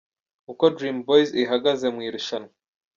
Uko Dream Boyz ihagaze mu irushanwa.